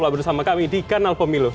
tetap bersama kami di kanal pemilu